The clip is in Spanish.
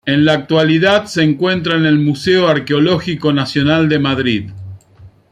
En la actualidad se encuentra en el Museo Arqueológico Nacional de Madrid.